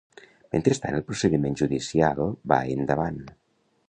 Mentrestant, el procediment judicial va endavant.